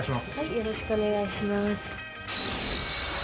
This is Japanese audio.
よろしくお願いします。